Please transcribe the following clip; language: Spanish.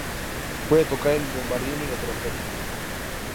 Puede tocar el bombardino y la trompeta.